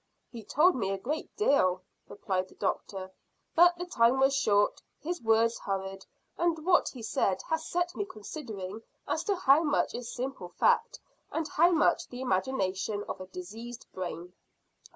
"He told me a great deal," replied the doctor, "but the time was short, his words hurried, and what he said has set me considering as to how much is simple fact and how much the imagination of a diseased brain."